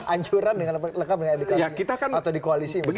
ancuran dengan lengkap dengan edukasi